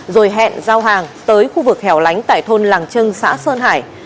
rồi hẹn giao hàng tới khu vực hẻo lánh tại thôn làng trưng xã sơn hải